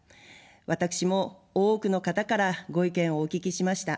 私も多くの方からご意見をお聞きしました。